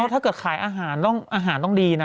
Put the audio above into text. จนสุดท้ายเนอะถ้าเกิดขายอาหารอาหารต้องดีนะ